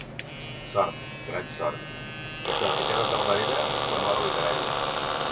Sort, gran sort, que si la pinteu de tal manera, és per moda literària!